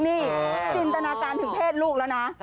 นี่จินตนาการถึงเพศลูกแล้วนะ